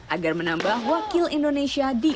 agar menambah wakil indonesia di